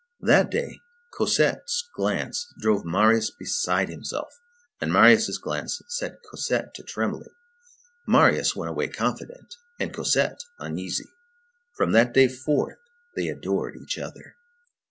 That day, Cosette's glance drove Marius beside himself, and Marius' glance set Cosette to trembling. Marius went away confident, and Cosette uneasy. From that day forth, they adored each other.